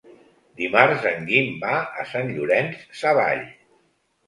Dimarts en Guim va a Sant Llorenç Savall.